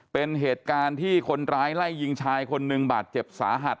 เป็นเหตุการณ์ที่คนร้ายไล่ยิงชายคนหนึ่งบาดเจ็บสาหัส